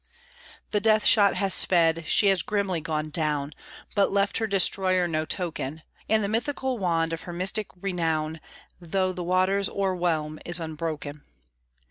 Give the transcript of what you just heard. The death shot has sped she has grimly gone down, But left her destroyer no token, And the mythical wand of her mystic renown, Though the waters o'erwhelm, is unbroken.